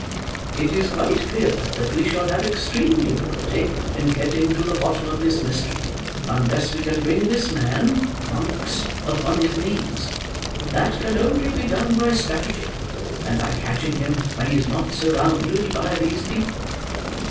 It is quite clear that we shall have extreme difficulty in getting to the bottom of this mystery, unless we can bring this man, Monks, upon his knees. That can only be done by stratagem, and by catching him when he is not surrounded by these people.